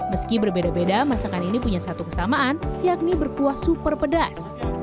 meski berbeda beda masakan ini punya satu kesamaan yakni berkuah super pedas